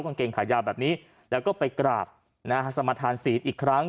กางเกงขายาวแบบนี้แล้วก็ไปกราบนะฮะสมทานศีลอีกครั้ง